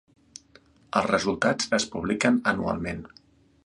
Els resultats es publiquen anualment.